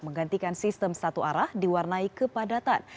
menggantikan sistem satu arah diwarnai kepadatan